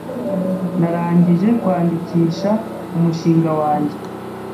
Narangije kwandikisha umushinga wanjye